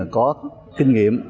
có kinh nghiệm